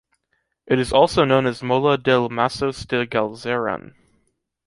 It is also known as Mola dels masos de Galzeran.